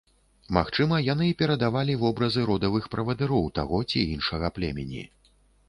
Магчыма, яны перадавалі вобразы родавых правадыроў таго ці іншага племені.